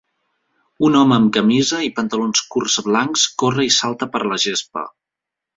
Un home amb camisa i pantalons curts blancs corre i salta per la gespa.